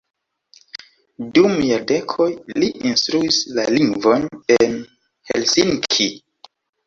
Dum jardekoj li instruis la lingvon en Helsinki.